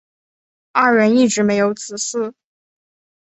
二人一直没有子嗣。